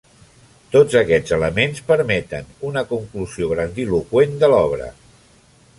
Tots aquests elements permeten una conclusió grandiloqüent de l'obra.